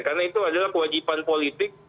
karena itu adalah kewajiban politik